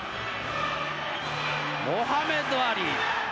モハメド・アリ。